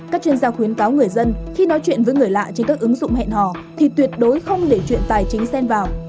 các chuyên gia khuyến cáo người dân khi nói chuyện với người lạ trên các ứng dụng hẹn hò thì tuyệt đối không để chuyện tài chính xen vào